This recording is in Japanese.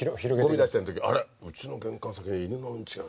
ゴミ出してる時あれうちの玄関先に犬のうんちが。